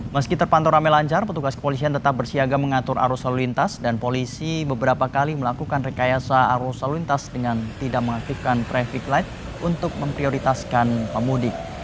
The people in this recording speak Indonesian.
meski terpantau rame lancar petugas kepolisian tetap bersiaga mengatur arus lalu lintas dan polisi beberapa kali melakukan rekayasa arus lalu lintas dengan tidak mengaktifkan traffic light untuk memprioritaskan pemudik